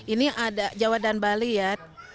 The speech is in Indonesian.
ini ada jawa dan bali ya